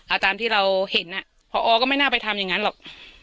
ตามที่เราเห็นอ่ะพอก็ไม่น่าไปทำอย่างนั้นหรอก